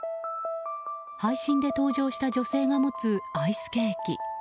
配信で登場した女性が持つアイスケーキ。